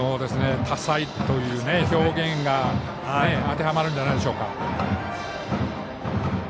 多彩という表現が当てはまるんじゃないでしょうか。